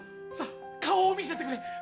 さあ顔を見せてくれ。